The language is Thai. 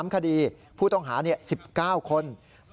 ๓คดีผู้ต้องหา๑๙คน